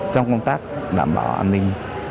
trong công tác đảm bảo an ninh